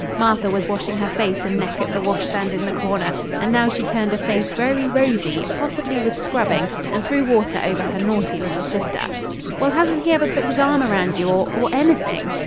Martha was washing her face and neck at the washstand in the corner, and now she turned a face very rosy, possibly with scrubbing, and threw water over her naughty little sister. "Well, hasn't he ever put his arm around you or or anything?"